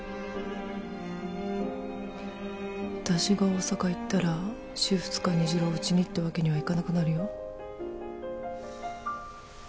私私が大阪行ったら週２日虹朗をうちにってわけにはいかなくなるよ？